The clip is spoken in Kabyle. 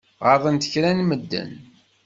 Ɣaḍent kra n medden.